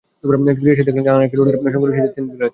ফিরে এসে দেখেন জানালার একটি রডের সঙ্গে রশি দিয়ে তিনি ঝুলে আছেন।